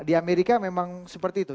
di amerika memang seperti itu